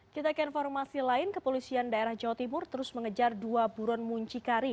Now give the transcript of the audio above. kita ke informasi lain kepolisian daerah jawa timur terus mengejar dua buron muncikari